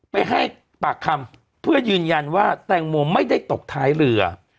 ไปให้ปากคำเพื่อยืนยันว่าแตงโมไม่ได้ตกท้ายเรือ